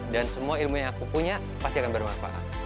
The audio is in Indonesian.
dan semua ilmu yang aku punya pasti akan bermanfaat